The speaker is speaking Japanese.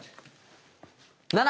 ７！